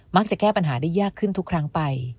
จะแก้ปัญหาได้ยากขึ้นทุกครั้งไป